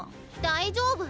大丈夫！